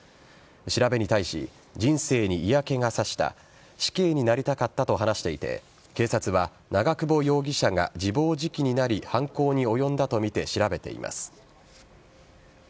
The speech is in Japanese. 調べに対し、人生に嫌気が差した死刑になりたかったと話していて警察は長久保容疑者が自暴自棄になり犯行に及んだとみて調べています。